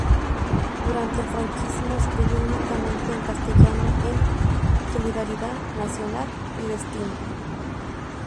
Durante el franquismo escribió únicamente en castellano en "Solidaridad Nacional" y "Destino".